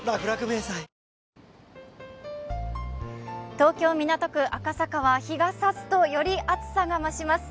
東京・港区赤坂は日がさすとより暑さが増します。